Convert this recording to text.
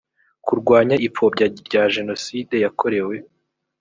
kurwanya ipfobya rya jenoside yakorewe